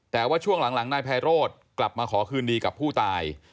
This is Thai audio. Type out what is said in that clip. แต่ว่าช่วงหลังนายไพโรธกลับมาขอคืนดีกับผู้ตาย